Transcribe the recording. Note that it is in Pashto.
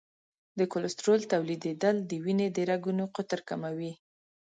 د کلسترول تولیدېدل د وینې د رګونو قطر کموي.